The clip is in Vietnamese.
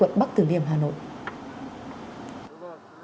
tại quận bắc tử liêm hà nội